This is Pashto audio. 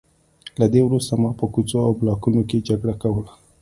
له دې وروسته ما په کوڅو او بلاکونو کې جګړه کوله